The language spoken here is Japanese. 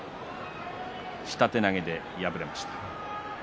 下手投げで敗れました。